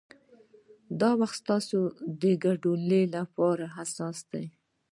دا وخت ستاسو د ګډون لپاره حساس دی.